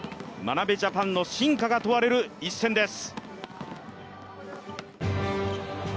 眞鍋ジャパンの真価が問われる一戦です。